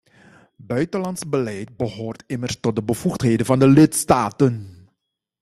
Buitenlands beleid behoort immers tot de bevoegdheden van de lidstaten.